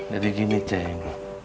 jadi gini cenk